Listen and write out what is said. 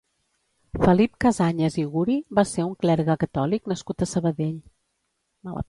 Felip Casañas i Guri va ser un clergue catòlic nascut a Sabadell.